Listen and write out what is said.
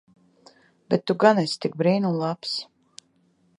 Bet tu gan esi tik brīnum labs.